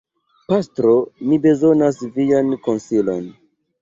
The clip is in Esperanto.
Pastro, mi bezonas vian konsilon.